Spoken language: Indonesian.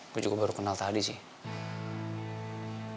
gue juga baru kenal tadi sih